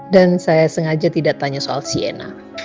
dan saya sengaja tidak tanya soal sienna